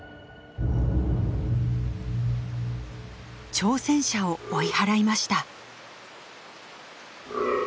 挑戦者を追い払いました。